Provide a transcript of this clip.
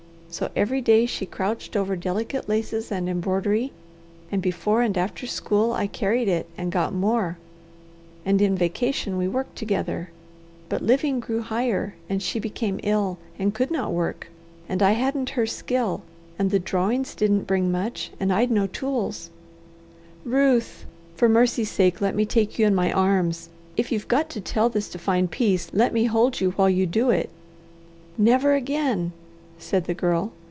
So every day she crouched over delicate laces and embroidery, and before and after school I carried it and got more, and in vacation we worked together. But living grew higher, and she became ill, and could not work, and I hadn't her skill, and the drawings didn't bring much, and I'd no tools " "Ruth, for mercy sake let me take you in my arms. If you've got to tell this to find peace, let me hold you while you do it." "Never again," said the Girl.